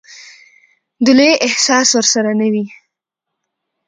د لويي احساس ورسره نه وي.